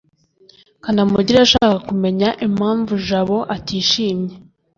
kanamugire yashakaga kumenya impamvu jabo atishimye